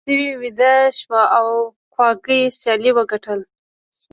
سوی ویده شو او کواګې سیالي وګټله.